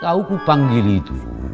kau ku panggil itu